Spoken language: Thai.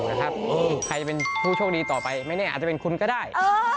ใครจะเป็นผู้โชคดีต่อไปไม่แน่อาจจะเป็นคุณก็ได้